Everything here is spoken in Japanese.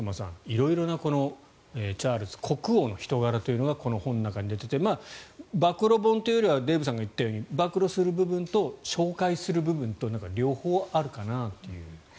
色々なチャールズ国王の人柄というのがこの本の中に出ていて暴露本というよりはデーブさんが言ったように暴露する部分と紹介する部分と両方あるかなという。